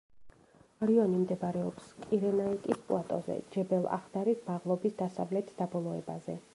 რაიონი მდებარეობს კირენაიკის პლატოზე, ჯებელ-ახდარის მაღლობის დასავლეთ დაბოლოებაზე.